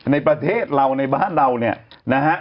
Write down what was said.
ในประเทศเราในบ้านเราเนี่ยนะฮะ